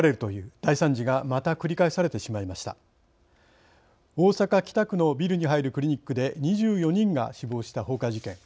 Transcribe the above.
大阪、北区のビルに入るクリニックで２４人が死亡した放火事件。